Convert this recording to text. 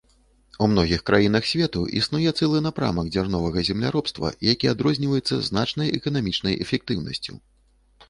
У многіх краінах свету існуе цэлы напрамак дзярновага земляробства, які адрозніваецца значнай эканамічнай эфектыўнасцю.